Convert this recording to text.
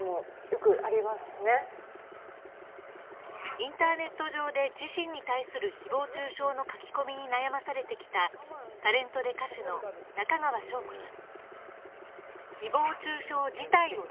インターネット上で自身に対する誹謗中傷の書き込みに悩まされてきたタレントで歌手の中川翔子さん。